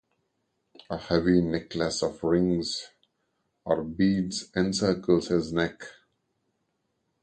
A heavy necklace of rings or beads encircles his neck.